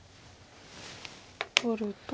取ると。